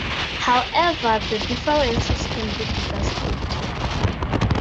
However, the differences can be devastating.